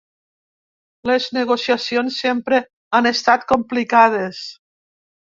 Les negociacions sempre han estat complicades.